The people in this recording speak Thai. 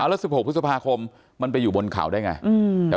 แล้ว๑๖พฤษภาคมมันไปอยู่บนเขาได้ไง